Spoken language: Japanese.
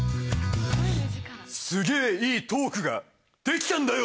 すげぇいいトークができたんだよ！